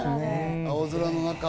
青空の中。